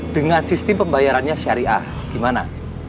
dengan sistem pembayarannya syariah gimana